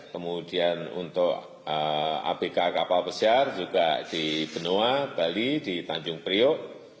kemudian untuk abk kapal besar juga di benua bali di tanjung priok